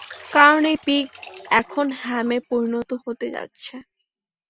কারণ এই পিগ এখন হ্যামে পরিণত হতে যাচ্ছে।